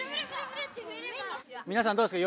みなさんどうですか？